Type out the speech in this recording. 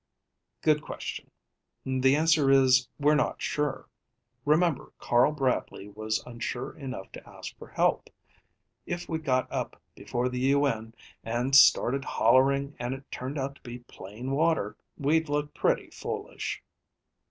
"Good question. The answer is, we're not sure. Remember Carl Bradley was unsure enough to ask for help. If we got up before the UN and started hollering and it turned out to be plain water, we'd look pretty foolish."